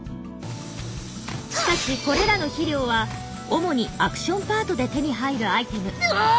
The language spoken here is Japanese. しかしこれらの肥料は主にアクションパートで手に入るアイテム。